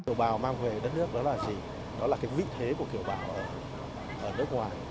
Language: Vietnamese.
kiều bào mang về đất nước đó là gì đó là cái vị thế của kiểu bào ở nước ngoài